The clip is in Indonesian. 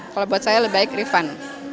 kalau buat saya lebih baik refund